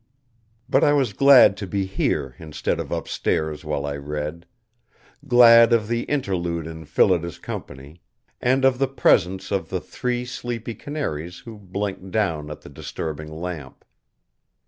But I was glad to be here instead of upstairs while I read; glad of the interlude in Phillida's company, and of the presence of the three sleepy canaries who blinked down at the disturbing lamp.